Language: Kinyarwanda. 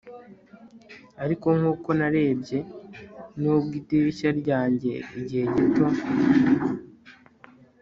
ariko nkuko narebye nubwo idirishya ryanjye igihe gito